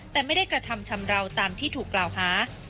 แต่ไม่ได้กระทำชำราวตามที่ถูกกล่าวหา